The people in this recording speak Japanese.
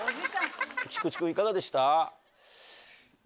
菊池君いかがでした？